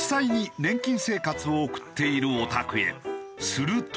すると。